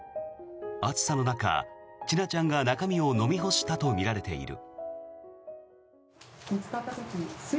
暑さの中、千奈ちゃんが中身を飲み干したとみられている。